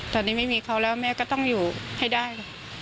ตอนนี้ไม่มีเขาแล้วแม่ก็ต้องอยู่ให้ได้